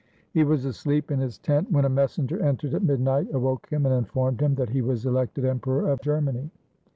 He was asleep in his tent when a messenger entered at midnight, awoke him, and informed him that he was elected Emperor of Germany.